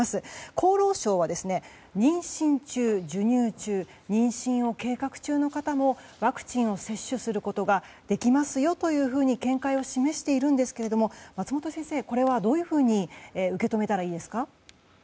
厚労省は妊娠中、授乳中妊娠を計画中の方もワクチンを接種することができますよというふうに見解を示しているんですけども松本先生、これはどういうふうに受け止めたらいいですか？